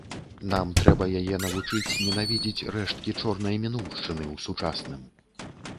Нам трэба яе навучыць ненавідзець рэшткі чорнай мінуўшчыны ў сучасным.